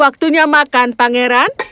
waktunya makan pangeran